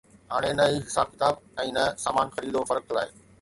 هاڻي نه ئي حساب ڪتاب ۽ نه سامان خريد و فروخت لاءِ